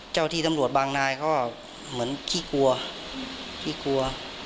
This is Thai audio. เจ้าที่ตำรวจบางนายก็เหมือนขี้กลัวขี้กลัว